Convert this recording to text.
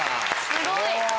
すごい！